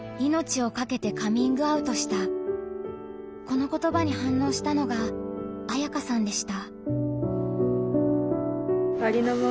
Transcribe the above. この言葉に反応したのがあやかさんでした。